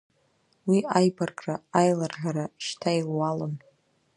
Уи аибаркра, аиларӷьара шьҭа илуалын.